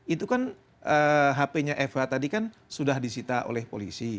itu kan hp nya eva tadi kan sudah disita oleh polisi